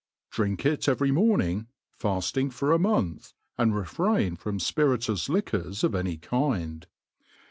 Drink it evsry motraiog fading for a month, and refrain from fpirituous liquors of any kind.